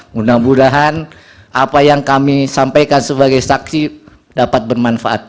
mudah mudahan apa yang kami sampaikan sebagai saksi dapat bermanfaat